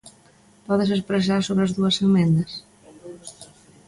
¿Pódese expresar sobre as dúas emendas?